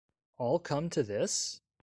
All come to this?